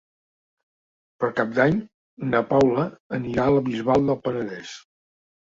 Per Cap d'Any na Paula anirà a la Bisbal del Penedès.